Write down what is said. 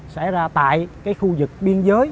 sẽ ra tại khu vực biên giới